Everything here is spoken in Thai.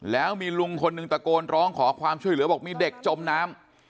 แล้วมีลุงคนหนึ่งตะโกนร้องขอความช่วยเหลือบอกมีเด็กจมน้ำ